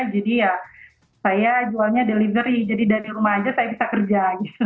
jadi ya saya jualnya delivery jadi dari rumah aja saya bisa kerja